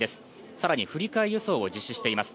更に振り替え輸送を実施しています。